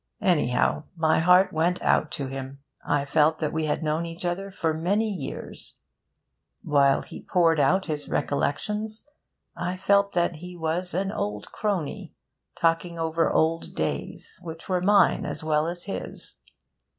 Anyhow, my heart went out to him. I felt that we had known each other for many years. While he poured out his recollections I felt that he was an old crony, talking over old days which were mine as well as his.